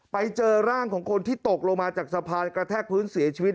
ไปเจอร่างของคนที่ตกลงมาจากสะพานกระแทกพื้นเสียชีวิต